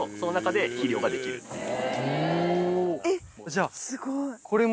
じゃあ。